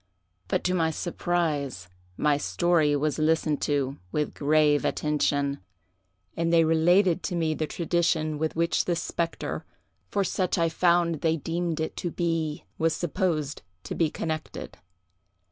But, to my surprise, my story was listened to with grave attention, and they related to me the tradition with which this spectre, for such I found they deemed it to be, was supposed to be connected.